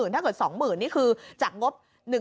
ถ้าเกิด๒๐๐๐นี่คือจากงบ